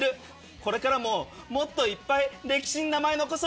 これからももっといっぱい歴史に名前残そう。